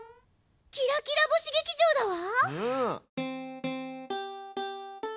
キラキラ星劇場だわ！